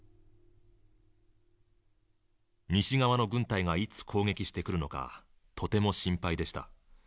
「西側の軍隊がいつ攻撃してくるのかとても心配でした。